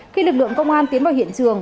khi lực lượng công an tiến vào hiện trường